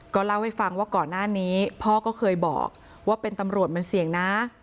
เล่าให้ฟังว่าก่อนหน้านี้พ่อก็เคยบอกว่าเป็นตำรวจมันเสี่ยงนะ